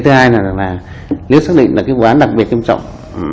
thứ hai nếu xác định là vụ án đặc biệt quan trọng